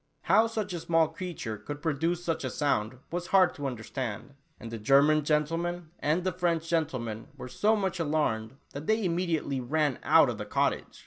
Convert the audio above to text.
How such a small creature could produce such a sound, was hard to understand, and the German gentleman and the French gentleman, were so much alarmed, that they immediately ran out of the cottage